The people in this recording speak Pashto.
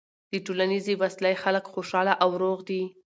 د ټولنیزې وصلۍ خلک خوشحاله او روغ دي.